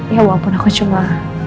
ya ampun aku cuma